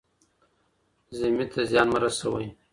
ذمي ته زیان مه رسوئ.